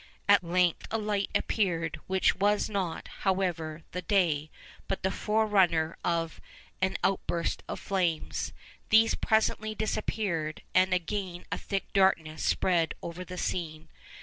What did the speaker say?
At length a light appeared, which was not, however, the day, but the forerunner of an outburst of flames. These presently disappeared, and again a thick darkness spread over the scene.